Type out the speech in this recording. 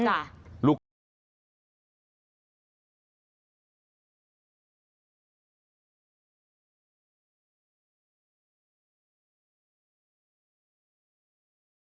อารมณ์ของแม่ค้าอารมณ์การเสิร์ฟนั่งอยู่ตรงกลาง